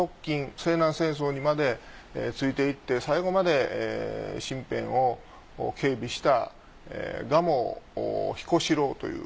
西南戦争にまでついていって最後まで身辺を警備した蒲生彦四郎という人がいます。